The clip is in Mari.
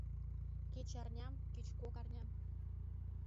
Кеч арням, кеч кок арням».